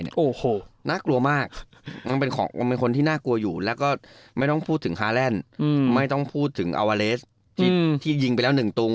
โอ้โหน่ากลัวมากเป็นคนที่น่ากลัวอยู่แล้วก็ไม่ต้องพูดถึงฮาแลนด์ไม่ต้องพูดถึงอวาเลสที่ยิงไปแล้วหนึ่งตุง